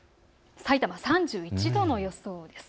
さいたま３１度の予想です。